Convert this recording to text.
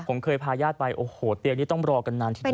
ผมเคยพาญาติไปโอ้โหเตียงนี้ต้องรอกันนานทีเดียว